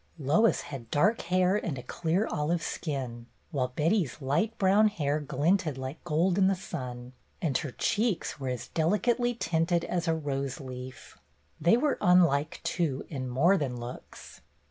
Lois had dark hair and a clear olive skin, while Betty's light brown hair glinted like gold in the sun, and her cheeks were as delicately tinted as a rose leaf. They were unlike, too, in more than looks.